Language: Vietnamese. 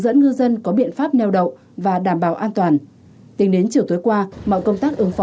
dẫn ngư dân có biện pháp neo đậu và đảm bảo an toàn tính đến chiều tối qua mọi công tác ứng phó